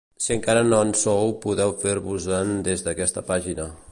Si encara no en sou podeu fer-vos-en des d’aquesta pàgina.